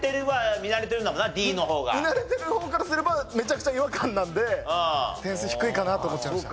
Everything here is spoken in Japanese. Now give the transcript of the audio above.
見慣れてる方からすればめちゃくちゃ違和感なんで点数低いかなと思っちゃいました。